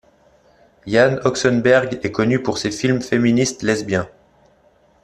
Jan Oxenberg est connue pour ses films féministes lesbiens.